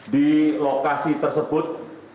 di lokasi tersebut